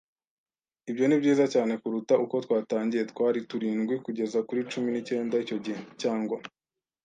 Ibyo nibyiza cyane kuruta uko twatangiye. Twari turindwi kugeza kuri cumi n'icyenda icyo gihe, cyangwa